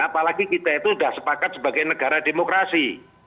apalagi kita itu sudah sepakat sebagai negara demokrasi